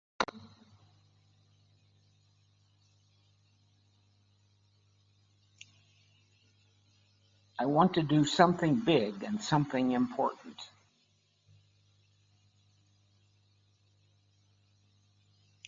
I want to do something big and something important.